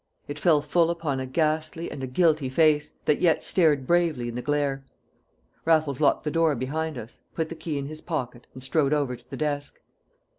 It fell full upon a ghastly and a guilty face, that yet stared bravely in the glare. Raffles locked the door behind us, put the key in his pocket, and strode over to the desk.